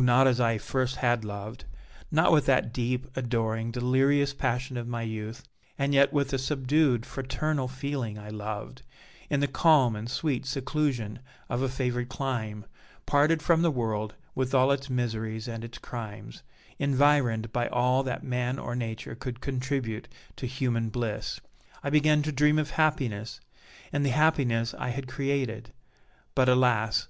not as I first had loved not with that deep, adoring, delirious passion of my youth, and yet with a subdued, fraternal feeling I loved; in the calm and sweet seclusion of a favored clime, parted from the world with all its miseries and its crimes, environed by all that man or nature could contribute to human bliss, I began to dream of happiness, in the happiness I had created. But, alas!